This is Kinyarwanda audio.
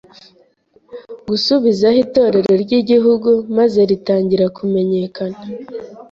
gusubizaho Itorero ry’Igihugu, maze ritangira kumenyekana